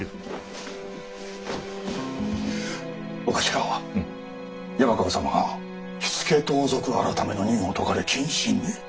長官山川様が火付盗賊改の任を解かれ謹慎に。